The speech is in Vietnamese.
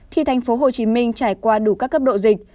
thì tp hcm trải qua đủ các cấp độ dịch